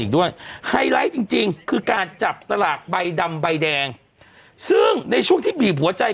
อีกด้วยไฮไลท์จริงคือการจับสลากใบดำใบแดงซึ่งในช่วงที่บีบหัวใจ